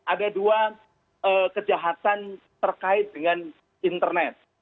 ada dua kejahatan terkait dengan internet